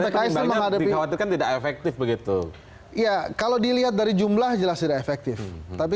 menghadapi khawatirkan tidak efektif begitu iya kalau dilihat dari jumlah jelas tidak efektif tapi